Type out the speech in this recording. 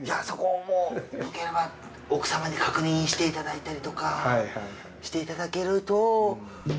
そこをよければ奥様に確認していただいたりとかしていただけると。